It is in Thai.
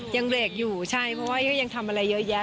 ยังเบรกอยู่ใช่เพราะว่าก็ยังทำอะไรเยอะแยะ